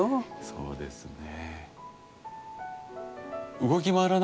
そうですね。